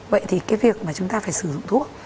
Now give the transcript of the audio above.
vậy thì cái việc mà chúng ta phải sử dụng thuốc